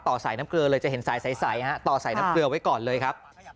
สายน้ำเกลือเลยจะเห็นสายใสต่อใส่น้ำเกลือไว้ก่อนเลยครับ